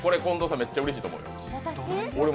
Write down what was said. めっちゃうれしいと思うよ。